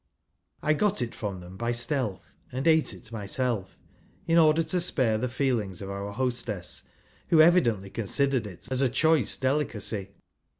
I got it from them by stealth and j ate it myself, in order to spare the feelings of our hostess, who, evidently, considered it as ' a choice delicacy.